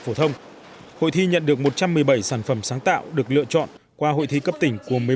phổ thông hội thi nhận được một trăm một mươi bảy sản phẩm sáng tạo được lựa chọn qua hội thi cấp tỉnh của một mươi bảy